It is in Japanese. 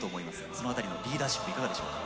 そのあたりのリーダーシップ、いかがでしょうか。